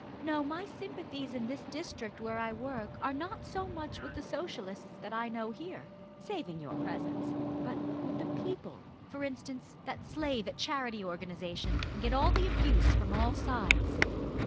No! my sympathies in this district where I work are not so much with the Socialists that I know here saving your presence! but with the people, for instance, that slave at Charity Organisation! and get all the abuse from all sides."